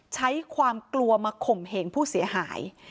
ใช้ความกลัวมาข่มเหงผู้เสียหาย